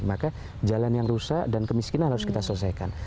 maka jalan yang rusak dan kemiskinan harus kita selesaikan